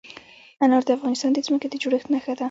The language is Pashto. انار د افغانستان د ځمکې د جوړښت نښه ده.